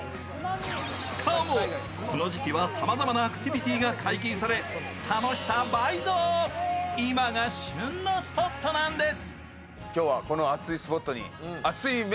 しかも、この時期はさまざまなアクティビティーが解禁され楽しさ倍増、今が旬のスポットなんです。